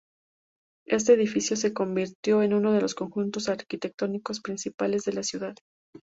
Este edificio se convirtió en uno de los conjuntos arquitectónicos principales de la ciudad.